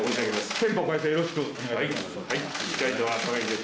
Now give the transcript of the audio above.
憲法改正よろしくお願いします。